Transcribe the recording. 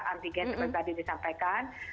antigen seperti tadi disampaikan